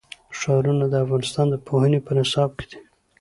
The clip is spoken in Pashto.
ښارونه د افغانستان د پوهنې په نصاب کې دي.